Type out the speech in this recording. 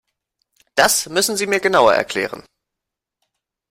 Das müssen Sie mir genauer erklären.